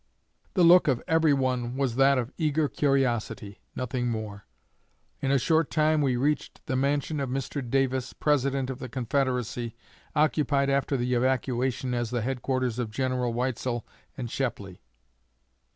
The look of every one was that of eager curiosity nothing more. In a short time we reached the mansion of Mr. Davis, President of the Confederacy, occupied after the evacuation as the headquarters of General Weitzel and Shepley.